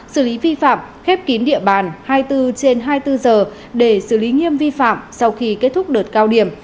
xử lý vi phạm khép kín địa bàn hai mươi bốn trên hai mươi bốn giờ để xử lý nghiêm vi phạm sau khi kết thúc đợt cao điểm